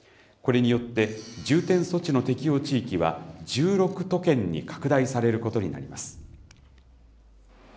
これによって、重点措置の適用地域は、１６都県に拡大されることになります。